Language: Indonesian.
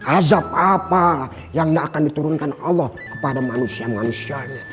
azab apa yang akan diturunkan allah kepada manusia manusianya